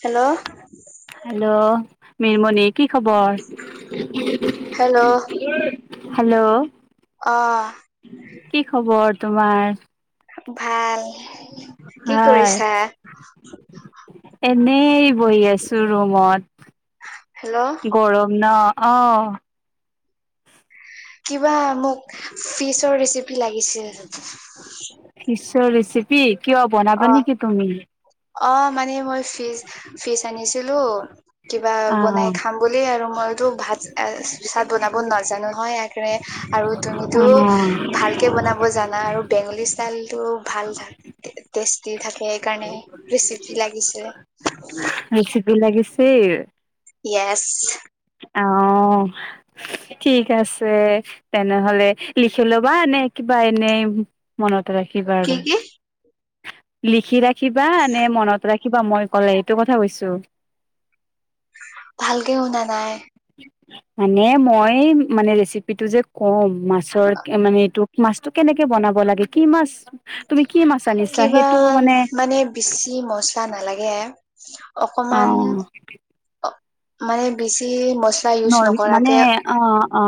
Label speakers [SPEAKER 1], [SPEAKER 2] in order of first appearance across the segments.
[SPEAKER 1] Hello.
[SPEAKER 2] Milmoni কি খবৰ?
[SPEAKER 1] Hello.
[SPEAKER 2] Hello.
[SPEAKER 1] অ।
[SPEAKER 2] কি খবৰ তোমাৰ?
[SPEAKER 1] ভাল। কি
[SPEAKER 2] ভাল।
[SPEAKER 1] কৰিছা?
[SPEAKER 2] এনেই। বহি আছো ৰুমত।
[SPEAKER 1] হেল্ল'
[SPEAKER 2] গৰম ন? অ'।
[SPEAKER 1] কিবা মোক ফিচৰ ৰেচিপি লাগিছিল।
[SPEAKER 2] ফিচৰ ৰেচিপি, কিয় বনাবা
[SPEAKER 1] অ
[SPEAKER 2] নেকি তুমি?
[SPEAKER 1] অ' মানে মই ফিজ-ফিজ আনিছিলো। কিবা বনাই
[SPEAKER 2] অ',
[SPEAKER 1] খাম বুলি আৰু মইতো ভাত। চাদ বনাব নাজানো হয় একৰে আৰু তুমিতো
[SPEAKER 2] অ',
[SPEAKER 1] ভালকে বনাব জানা আৰু বেংগলী। [unintelligible] টেষ্টি থাকে সেইকাৰণে, ৰেচিপি লাগিছে।
[SPEAKER 2] ৰেচিপি লাগিছিল।
[SPEAKER 1] য়েছ।
[SPEAKER 2] অ'। অ' ঠিক আছে তেনেহ'লে, লিখি ল'বা এনে কিবা এনেই। মনত ৰাখিবা
[SPEAKER 1] কি
[SPEAKER 2] আৰু,
[SPEAKER 1] কি
[SPEAKER 2] লিখি ৰাখিবা নে মনত ৰাখি? কিবা মই ক'লে এইটো কথা কৈছো।
[SPEAKER 1] ভালকে শুনা নাই।
[SPEAKER 2] মানে, মই মানে ৰেচিপিটো যে কম মাছৰ মানে এইটো। মাছটো কেনেকে বনাব লাগে? কি মাছ তুমি কি মাছ আনিছা
[SPEAKER 1] কিবা,
[SPEAKER 2] সেইটো
[SPEAKER 1] মানে বেছি মচলা নালাগে।
[SPEAKER 2] অ
[SPEAKER 1] অকমান, অ মানে। বেছি মছলা ইউজ
[SPEAKER 2] নৰ্ম মানে
[SPEAKER 1] নকৰাকে।
[SPEAKER 2] অ অ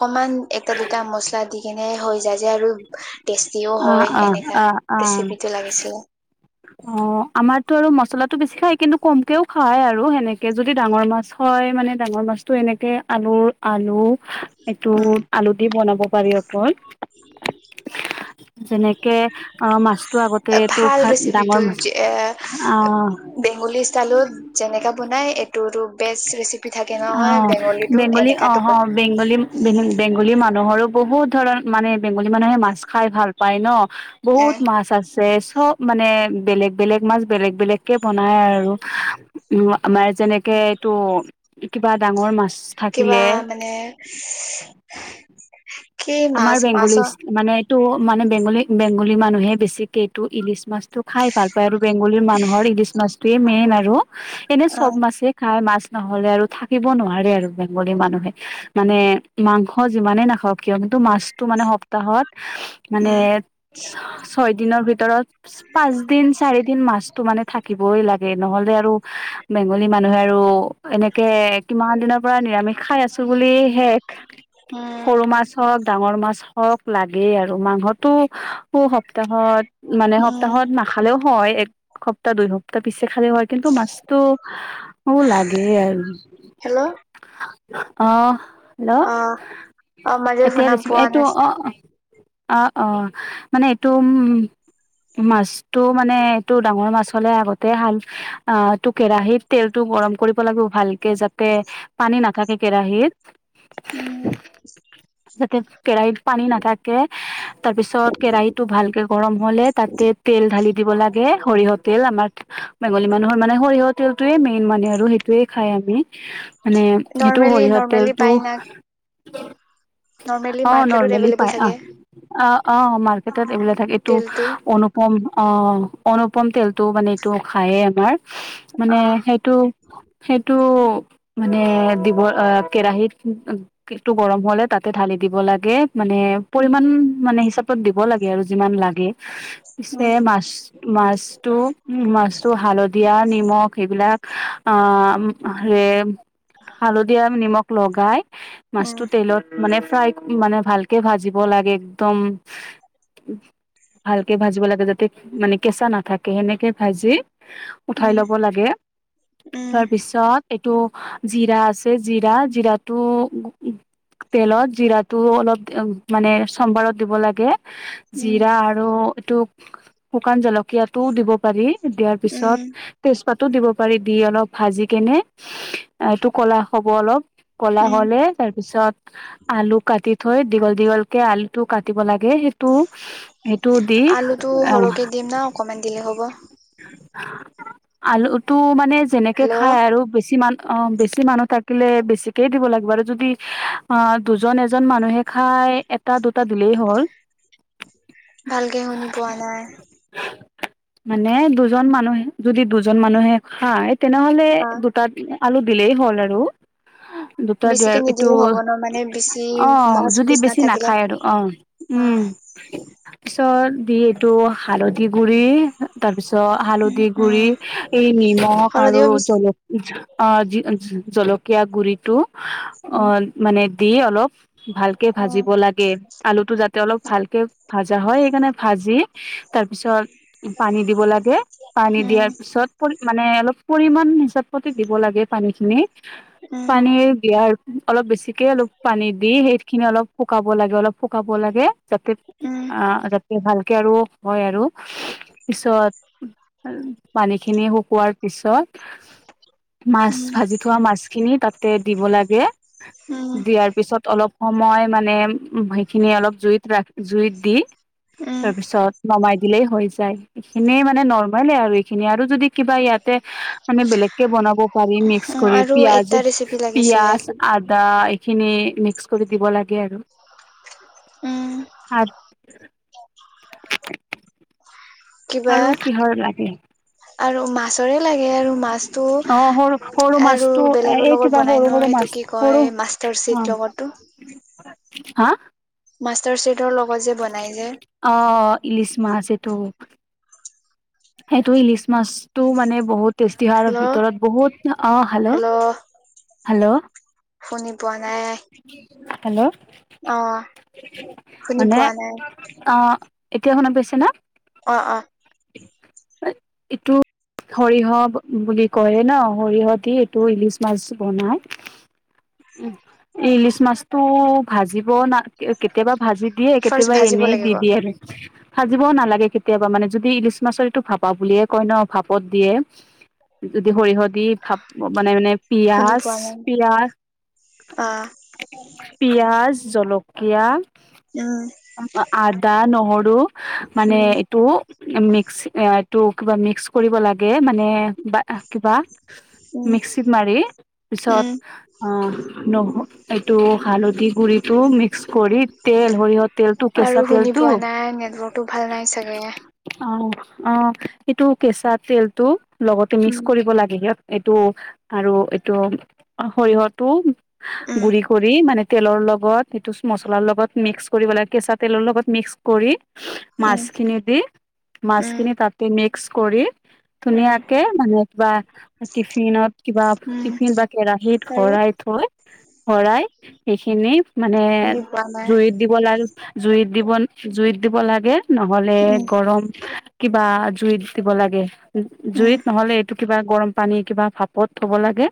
[SPEAKER 1] অকমান এটা-দুটা মচলা দি কেনে হৈ যায়। আৰু টেষ্টিও
[SPEAKER 2] অ
[SPEAKER 1] হয়
[SPEAKER 2] অ অ
[SPEAKER 1] এনেকা,
[SPEAKER 2] অ
[SPEAKER 1] ৰেচিপিটো লাগিছিল।
[SPEAKER 2] অ' আমাৰতো আৰু মছলাটো বেছি খায়, কিন্তু কমকেও খাই আৰু সেনেকে যদি ডাঙৰ মাছ হয়। তাই মানে ডাঙৰ মাছটো এনেকে আলুৰ, আলু। এইটো
[SPEAKER 1] উম
[SPEAKER 2] আলুদি বনাব পাৰি অকল। তেনেকে অ মাছতো আগতেটো
[SPEAKER 1] ভাল
[SPEAKER 2] ভা
[SPEAKER 1] ৰেচিপিটো
[SPEAKER 2] ডাঙৰ মাছ অ
[SPEAKER 1] এ--বেঙ্গলি ষ্টাইলত যেনেকা বনাই এইতো টো বেষ্ট ৰেচিপি। থাকে
[SPEAKER 2] অ
[SPEAKER 1] নহয় বেংগলীটো
[SPEAKER 2] বেঙ্গলি অ,
[SPEAKER 1] এনেকাতো
[SPEAKER 2] অ
[SPEAKER 1] কয়
[SPEAKER 2] বেঙ্গলি বেঙ্গলি মানুহৰো বহুত- ধৰক মানে, বেঙ্গলি মানুহে মাছ খাই ভাল পায় ন'। বহুত
[SPEAKER 1] উম
[SPEAKER 2] মাছ আছে চব্‌ মানে, বেলেগ বেলেগ মাছ বেলেগ বেলেগকে বনাই আৰু। আমাৰ যেনেকে এইটো, কিবা ডাঙৰ মাছ
[SPEAKER 1] কিবা
[SPEAKER 2] থাকিলে
[SPEAKER 1] মানে? কি
[SPEAKER 2] আমাৰ
[SPEAKER 1] মাছ
[SPEAKER 2] বেঙ্গলি
[SPEAKER 1] মাছৰ
[SPEAKER 2] মানে এইটো মানে বেঙ্গলি, বেঙ্গলি মানুহে বেছিকে এইটো ইলিছ মাছ টো খাই ভাল পায় আৰু বেঙ্গলি মানুহৰ ইলিছ মাছটোৱেই মেইন আৰু। এনেই
[SPEAKER 1] অ
[SPEAKER 2] চব মাছেই খায় মাছ নহ'লে আৰু থাকিব নোৱাৰে আৰু বেঙ্গলি মানুহে। মানে মাংস যিমানে নাখাৱক কিন্তু মাছটো মানে সপ্তাহত- মানে
[SPEAKER 1] উম
[SPEAKER 2] ছয় দিনৰ ভিতৰত পাঁচ দিন, চাৰি দিন মাছ তো মানে থাকিবই লাগে। নহ'লে আৰু বেঙ্গলি মানুহে আৰু এনেকে কিমান দিনৰ পৰা নিৰামিষ খাই আছো বুলিহে
[SPEAKER 1] উম
[SPEAKER 2] সৰু মাছ হওক ডাঙৰ মাছ হওক, লাগেই আৰু মাংসটো সু সপ্তাহত, মানে
[SPEAKER 1] উম
[SPEAKER 2] সপ্তাহত নাখালেও হ'য়। একসপ্তাহ দুই স সপ্তাহ পিছে খালেও হ'য়। কিন্তু মাছটো মো লাগে আৰু।
[SPEAKER 1] হেল্ল'
[SPEAKER 2] অহ
[SPEAKER 1] অ, অ মাজে
[SPEAKER 2] এতিয়া
[SPEAKER 1] শুনা
[SPEAKER 2] ৰিচিপ,
[SPEAKER 1] পোৱা
[SPEAKER 2] এইটো
[SPEAKER 1] নাছিল
[SPEAKER 2] অ, অ অ হ-হ মানে এইটো উম মাছটো মানে, এইটো ডাঙৰ মাছ হ'লে আগতে হাল আ এটো কেৰাহিত তেলটো- গৰম কৰিব লাগে ভালকে যাতে, পানী নাথাকে কেৰাহীত
[SPEAKER 1] ও
[SPEAKER 2] জাকেট। কেৰাহিত পানী নাথাকে, তাৰ পিছত কেৰাহিটো ভালকে গৰম হলে তাতে তেল ঢালি দি- দিব লাগে সৰিয়হত তেল আমাৰ, বেঙ্গলী মানুহৰ মানে সৰিয়হৰ তেলটোয়েই মেইন। মানে আৰু সেইটোয়েই খাই আমি। মানে,
[SPEAKER 1] নৰ্মেলি
[SPEAKER 2] এইটো--সৰিয়হ
[SPEAKER 1] নৰ্মেলি
[SPEAKER 2] তেলটো
[SPEAKER 1] পাই না নৰ্মেলি
[SPEAKER 2] অ
[SPEAKER 1] মাৰ্কেটত
[SPEAKER 2] নৰ্মেলি
[SPEAKER 1] এভেইলেবল
[SPEAKER 2] পায়।
[SPEAKER 1] থাকে
[SPEAKER 2] অহ অঁ, অঁ মাৰ্কেটত এইবিলাক থাকে। এইটো
[SPEAKER 1] তেলটো
[SPEAKER 2] অনুপম অঁ--অনুপ পম তেলটো, মানে এইটো খায়েই আমাৰ, মানে
[SPEAKER 1] অ
[SPEAKER 2] এইটো সেইটো মানে দিব, আ কেৰাহিত কিটো গৰম হ'লে তাতে ঢালি দিব লাগে। মানে,
[SPEAKER 1] উম
[SPEAKER 2] পৰিমান মানে হিচাপত দিব লাগে আৰু যিমান লাগে। পিছে
[SPEAKER 1] উম
[SPEAKER 2] মাছটো মাছটো ওঁ মাছ হালধীয়া, নিমখ সেইবিলাক আ হে হালধী আৰু নিমখ লগাই
[SPEAKER 1] উম
[SPEAKER 2] মাছটো তেলত মানে ফ্ৰাই, মানে ভালকে ভাজিব লাগে। একদম ভালকে ভাজিব লাগে যাতে মানে কেঁচা নাথাকে। সেনেকে ভাজি- উঠাই
[SPEAKER 1] উম
[SPEAKER 2] ল'ব লাগে।
[SPEAKER 1] উম
[SPEAKER 2] তাৰপিছত এইটো জিৰা আছে জিৰা, জিৰাটো তেলত জিৰাটো অলপ মানে চম্বাৰত দিব লাগে।
[SPEAKER 1] উম
[SPEAKER 2] জিৰা আৰু এইটো, শুকান জলকীয়াটোও দিব পাৰি। দিয়াৰ
[SPEAKER 1] উম
[SPEAKER 2] পিছত তেজপাত টো দিব পাৰি। দি অলপ ভাজি কেনে এইটো কলা হ'ব অলপ কলা
[SPEAKER 1] উম
[SPEAKER 2] হ'লে তাৰপিছত আলু কাটি থৈ দীঘল দীঘলকে আলু টো কাটিব লাগে সেইটো সেইটো দি
[SPEAKER 1] আলুটো
[SPEAKER 2] অহ
[SPEAKER 1] সৰহকে দিম না অকমান দিলে হব
[SPEAKER 2] আলুটো মানে যেনেকে খাই
[SPEAKER 1] হেল্ল'
[SPEAKER 2] আৰু বেছি মান অ বেছি মানু থাকিলে বেছিকেই দিব লাগিব আৰু যদি অ দুজন এজন মানুহে খাই এটা দু টা দিলেই হ'ল
[SPEAKER 1] ভালকে শুনি পোৱা নাই
[SPEAKER 2] মানে দুজন মানুহে যদি দুজন মানুহে খায় তেনেহ'লে
[SPEAKER 1] অ
[SPEAKER 2] দুটাত আলু দিলেই হ'ল আৰু দুটা দিয়াৰ
[SPEAKER 1] বেছিকে
[SPEAKER 2] এইটো
[SPEAKER 1] নিদিলে হ'ব ন মানে বেছি
[SPEAKER 2] অ
[SPEAKER 1] মাছ
[SPEAKER 2] যদি
[SPEAKER 1] পিছ
[SPEAKER 2] বেছি
[SPEAKER 1] নাথাকিলে
[SPEAKER 2] নাখায় আৰু অ
[SPEAKER 1] অ
[SPEAKER 2] উম ত দি এইটো হালধি গুৰি তাৰপিছত হালধি গুৰি
[SPEAKER 1] উম
[SPEAKER 2] এই নিমখ আৰু
[SPEAKER 1] হলদিও বেছি
[SPEAKER 2] জলক অ জলকীয়া গুৰিটো অ
[SPEAKER 1] উম
[SPEAKER 2] মানে দি অলপ ভালকে
[SPEAKER 1] উম
[SPEAKER 2] ভাজিব লাগে আলুটো যাতে অলপ ভালকে ভাজা হয় সেইকাৰণে ভাজি তাৰ পিছত পানী দিব লাগে পানী
[SPEAKER 1] উম
[SPEAKER 2] দিয়াৰ পিছত মানে অলপ পৰিমণ হিচাপতে দিব লাগে পানীখিনি পানীৰ দিয়াৰ অলপ বেছিকে অলপ পানী দি সেইখিনি অলপ শুকাব লাগে অলপ শুকাব লাগে যাতে
[SPEAKER 1] উম
[SPEAKER 2] অ যাতে ভালকে আৰু হয় আৰু পিছত পানী খিনি শুকোৱাৰ পিছত মাছ
[SPEAKER 1] উম
[SPEAKER 2] ভাজি থোৱা মাছখিনি তাতে দিব লাগে
[SPEAKER 1] উম
[SPEAKER 2] দিয়াৰ পিছত অলপ সময় মানে সেইখিনি অলপ জুইত ৰাখ জুইত দি
[SPEAKER 1] উম
[SPEAKER 2] তাৰপিছত নমাই দিলেই হৈ যায় এইখিনিয় মানে নৰ্মলে আৰু এইখিনি আৰু যদি কিবা ইয়াতে মানে বেলেগকে বনাব পানী মিক্স
[SPEAKER 1] উম
[SPEAKER 2] কৰি
[SPEAKER 1] আৰু
[SPEAKER 2] পিয়াজ
[SPEAKER 1] একটা ৰেচিপি লাগিছিলে
[SPEAKER 2] পিয়াজ,
[SPEAKER 1] কি
[SPEAKER 2] আদা খিনি মিক্স কৰি দিব লাগে আৰু
[SPEAKER 1] উম
[SPEAKER 2] আ। [unintelligible]
[SPEAKER 1] কিবা
[SPEAKER 2] আৰু কিহৰ লাগে
[SPEAKER 1] আৰু মাহ ছৰে লাগে আৰু মাছতো
[SPEAKER 2] অ সৰু সৰু
[SPEAKER 1] আৰু
[SPEAKER 2] মাছটো
[SPEAKER 1] বেলেগৰ
[SPEAKER 2] এই
[SPEAKER 1] লগত
[SPEAKER 2] কিবা
[SPEAKER 1] বনাই
[SPEAKER 2] সৰু সৰু
[SPEAKER 1] নহয়
[SPEAKER 2] মাছ
[SPEAKER 1] সেটো কি
[SPEAKER 2] সৰু
[SPEAKER 1] কয়
[SPEAKER 2] অ
[SPEAKER 1] মাষ্টাৰিট লগতো
[SPEAKER 2] হা
[SPEAKER 1] মাষ্টাৰ শিট
[SPEAKER 2] অ ইলিছ মাছ এটো সেইটো ইলিচ মাছটো মানে বহুত- তেজদিহাৰৰ
[SPEAKER 1] হেল্ল'
[SPEAKER 2] ভিতৰত বহুত অ হেল্ল' হেল্ল'
[SPEAKER 1] শুনি পোৱা নাই
[SPEAKER 2] হেল্ল'
[SPEAKER 1] অ শুনি
[SPEAKER 2] মানে
[SPEAKER 1] পোৱা নাই
[SPEAKER 2] আহ এতিয়া শুনা পাইছে না
[SPEAKER 1] অ অ
[SPEAKER 2] এইটো সৰিয়হ বুলি কয় ন সৰিয়হ দি এইটো ইলিচ মাছ বনাই ইলিচ মাছটো ভাজিব না কেতিয়াবা ভাজি দিয়ে
[SPEAKER 1] ফাৰ্ষ্ট
[SPEAKER 2] কেতিয়াবা
[SPEAKER 1] ভাজিব
[SPEAKER 2] এনেই দি
[SPEAKER 1] লাগিব
[SPEAKER 2] দিয়ে আৰু ভাজিবও নালাগে কেতিয়াবা মানে যদি ইলিচ মাছৰ ইটো ফাপা বুলিয়ে কয় ন ভাপত দিয়ে যদি সৰিয়হত দি ভাব মানে মানে
[SPEAKER 1] শুনি
[SPEAKER 2] পিয়াজ
[SPEAKER 1] পোৱা নাই
[SPEAKER 2] পিয়াজ
[SPEAKER 1] অ
[SPEAKER 2] পিঁয়াজ জলকীয়া
[SPEAKER 1] উম
[SPEAKER 2] আদা, নহৰু মানে
[SPEAKER 1] উম
[SPEAKER 2] এইটো মিক্সটো কিবা মিক্স কৰিব লাগে মানে বা কিবা
[SPEAKER 1] উম
[SPEAKER 2] মিক্সিত মাৰি পিছত
[SPEAKER 1] উম
[SPEAKER 2] আহ নহৰু এইটো হালধি গুৰিটো মিক্স কৰি তেল সৰিয়হ তেলটো
[SPEAKER 1] আৰু
[SPEAKER 2] কেঁচা
[SPEAKER 1] শুনি
[SPEAKER 2] তেলটো
[SPEAKER 1] পোৱা নাই নেটৱৰ্কটো ভাল নাই চাগে
[SPEAKER 2] অ অ সেইটো কেঁচা তেলটো লগতে মিক্স
[SPEAKER 1] উম
[SPEAKER 2] কৰিব লাগে সিহত এইটো আৰু এইটো সৰিয়হটো
[SPEAKER 1] উম
[SPEAKER 2] গুৰি কৰি মানে তেলৰ লগত সেটো মচলাৰ লগত মিক্স কৰিব লাগে কেঁচা তেলৰ লগত মিক্স কৰি
[SPEAKER 1] উম
[SPEAKER 2] মাছখিনি দি
[SPEAKER 1] উম
[SPEAKER 2] মাছখিনি তাতে মিক্স কৰি
[SPEAKER 1] উম
[SPEAKER 2] ধুনীয়াকে মানে কিবা টিফিনত কিবা
[SPEAKER 1] উম
[SPEAKER 2] টিফিন বা কেৰাহিত
[SPEAKER 1] আৰু
[SPEAKER 2] ঘ থৈ ভৰাই সেইখিনি মানে
[SPEAKER 1] শুনি পোৱা নাই
[SPEAKER 2] জুইত দিব জুইত দিব জুইত দিব লাগে নহলে
[SPEAKER 1] উম
[SPEAKER 2] গৰম কিবা জুইত দিব লাগে
[SPEAKER 1] উম
[SPEAKER 2] জুইত নহলে এইটো। কিবা গৰম পানী কিবা ভাপত থব লাগে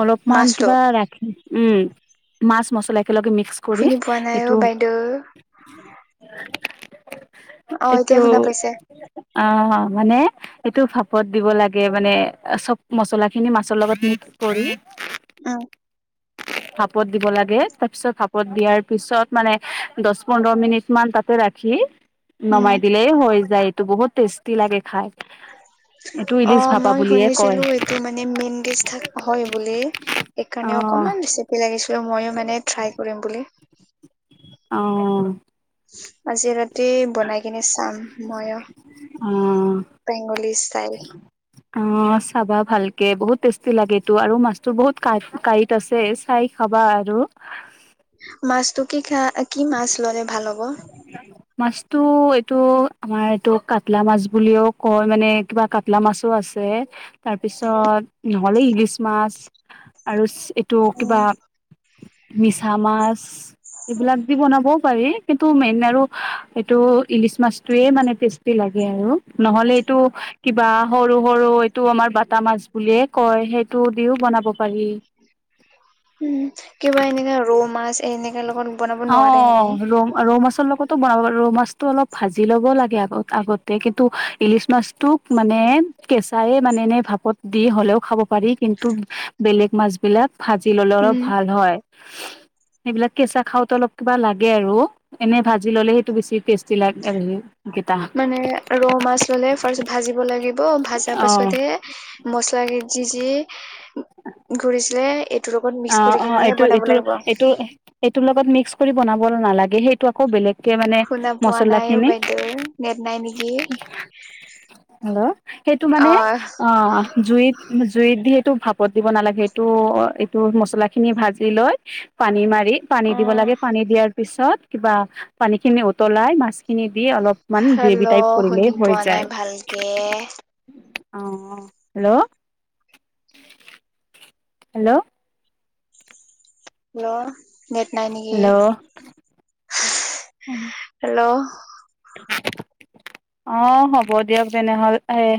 [SPEAKER 2] অলপমান
[SPEAKER 1] মাছটো
[SPEAKER 2] কিবা ৰাখি। উম মাছ মছলা একেলগে মিক্স কৰি
[SPEAKER 1] শুনি পোৱা নাই অ
[SPEAKER 2] এইটো
[SPEAKER 1] বাইদেউ।
[SPEAKER 2] [unintelligible]
[SPEAKER 1] অ এতিয়া
[SPEAKER 2] এইটো
[SPEAKER 1] শুনা পাইছে।
[SPEAKER 2] অ মানে এইটো ভাপত দিব লাগে মানে চব মছলা খিনি মাছৰ লগত নি। কৰি।
[SPEAKER 1] উম।
[SPEAKER 2] ভাপত দিব লাগে তাৰ পিছত ভাপত দিয়াৰ পিছত। মানে দছ পোন্ধৰ মিনিট মান তাতে ৰাখি
[SPEAKER 1] উম
[SPEAKER 2] নমাই দিলেই হৈ যায়। টো বহুত টেষ্টি লাগে খাই। এইটো
[SPEAKER 1] অ
[SPEAKER 2] ইলিচ ভাপা
[SPEAKER 1] মই
[SPEAKER 2] বুলিয়ে কয়
[SPEAKER 1] শুনিছিলো এইটো মানে মেনডেজ থ হয় বুলি
[SPEAKER 2] অ
[SPEAKER 1] সেইকাৰণে অকমান। ইমান ৰেচিপি লাগিছিলো মইয়ো মানে ট্ৰাই কৰিম বুলি।
[SPEAKER 2] অ।
[SPEAKER 1] আজি ৰাতি টেই বনাই কিনে চাম মইয়ো
[SPEAKER 2] অ
[SPEAKER 1] বেংগলী ষ্টাইল।
[SPEAKER 2] অ চাবা ভালকে বহুত টেষ্টি লাগেটো আৰু মাছতো বহুত কা কাইত আছে চাই খাবা বা আৰু
[SPEAKER 1] মাছতটো কি খা কি মাছ ল'লে ভাল হ'ব।
[SPEAKER 2] উম মাছটো এইটো আমাৰ এইটো কাটলা মাছ বুলিও কয় মানে কিবা কাটলা মাছো আছে। ছে তাৰপিছত নহ'লে ইলিছ মাছ আৰু এইটো কিবা
[SPEAKER 1] উম
[SPEAKER 2] মিছা মাছ এইবিলাক দি বনাবও পাৰি কিন্তু টো মেইন আৰু এইটো ইলিচ মাছ টোয়ে মানে টেষ্টি লাগে আৰু নহলে এইটো কিবা সৰু সৰু এইটো আমাৰ বটা মাছ বুলিয়ে কয় সেইটো দিও বনাব পাৰি।
[SPEAKER 1] উম কিবা এনেকাে ৰৌ মাছ এ এনেকাে লগত বনাব
[SPEAKER 2] অ
[SPEAKER 1] নোৱাৰে নেকি
[SPEAKER 2] ৰৌ ৰৌ মাছৰ লগতো বনাও আৰু মাছটো অলপ ভাজি লব লাগে আক আগতে কিতু এলিছ মাছটো। মানে কেঁচাই মানে এ ভাপত দি হ'লেও খাব পাৰি কিন্তু বেলেগ মাছ বিলাক ভাজি ললে অলপ
[SPEAKER 1] উম
[SPEAKER 2] ভাল হয় সেইবিলাক কেঁচা খাওতে অলপ কিবা লাগে আৰু এনেই ভাজি ল'লে সেইটো বেছি টেষ্টি লাগে আৰু সি।
[SPEAKER 1] মানে ৰৌ মাছ ললে ফাৰ্ষ্ট ভাজিব লাগিব ভাজা
[SPEAKER 2] অ
[SPEAKER 1] পাছতহে মছলা ক যি যি ঘূৰিছিলে এইটোৰ লগত
[SPEAKER 2] অ
[SPEAKER 1] মিক্স কৰি
[SPEAKER 2] অ
[SPEAKER 1] কিনেহে
[SPEAKER 2] এইটো
[SPEAKER 1] বনাব
[SPEAKER 2] এইটো
[SPEAKER 1] লাগিব
[SPEAKER 2] এইটো এইটোৰ লগত মিক্স কৰি বনাব নালাগে সেই আকৌ বেলেগকে মানে
[SPEAKER 1] শুনা পোৱা
[SPEAKER 2] মচলা
[SPEAKER 1] নাই অ
[SPEAKER 2] খিনি
[SPEAKER 1] বাইদেউৰ নেট নাই নেকি
[SPEAKER 2] হেল্ল সেইটো
[SPEAKER 1] অ
[SPEAKER 2] মানে অ জুইত জুইত দি এইটো ভাপত দিব নালাগে এইটো এইটো মছলা খিনি ভাজি লৈ পানী মাৰি পানী
[SPEAKER 1] অ
[SPEAKER 2] দিব লাগে পানী দিয়াৰ পিছত কিবা পানী খিনি উতলাই মাছ খিনি অলপমান গ্ৰেভি
[SPEAKER 1] হেল্ল'
[SPEAKER 2] টাইপ কৰিলেই
[SPEAKER 1] শুনি
[SPEAKER 2] হৈ
[SPEAKER 1] পোৱা
[SPEAKER 2] যায়।
[SPEAKER 1] নাই ভালকে
[SPEAKER 2] আহ হেল্ল' হেল্ল'
[SPEAKER 1] হেল্ল' নেট নাই নেকি হে
[SPEAKER 2] হেল্ল'
[SPEAKER 1] হেল্ল'
[SPEAKER 2] অ হ'ব দিয়ক তেনেহ'লে এ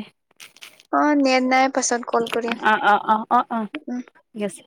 [SPEAKER 1] নেট নাই পাছত কল কৰিম
[SPEAKER 2] অ অ অ অ অ
[SPEAKER 1] উ
[SPEAKER 2] ঠিক আছে